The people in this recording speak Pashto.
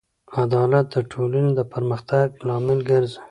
عدالت د ټولنې د پرمختګ لامل ګرځي.